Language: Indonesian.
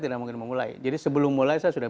tidak mungkin memulai jadi sebelum mulai saya sudah